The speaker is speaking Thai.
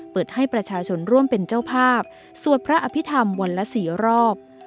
เปิดให้ประชาชนร่วมเป็นเจ้าภาพสวดพระอภิษฐรรมวันละ๔รอบ